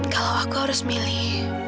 kalau aku harus milih